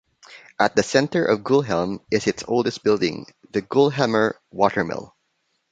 At the centre of Geulhem is its oldest building - the Geulhemmer watermill.